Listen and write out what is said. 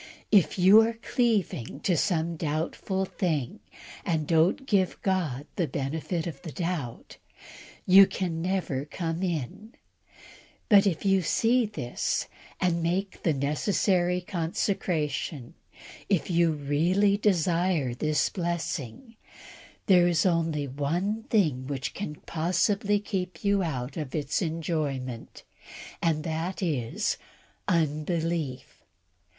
If yon are cleaving to some doubtful thing, and don't give God the benefit of the doubt, you can never come in; but, if you see this, and make the necessary consecration, if you really desire this blessing, there is only one thing which can possibly keep you out of its enjoyment, and that is unbelief.